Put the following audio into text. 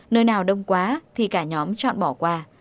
nơi nào đông quá thì cả nhóm chọn bỏ qua